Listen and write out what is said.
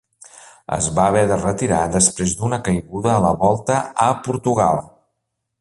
Es va haver de retirar després d'una caiguda a la Volta a Portugal.